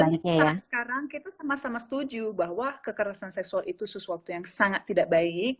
ya udah tapi yang penting sekarang kita sama sama setuju bahwa kekerasan seksual itu sesuatu yang sangat tidak baik